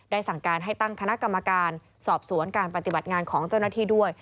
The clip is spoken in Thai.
สั่งการให้ตั้งคณะกรรมการสอบสวนการปฏิบัติงานของเจ้าหน้าที่ด้วย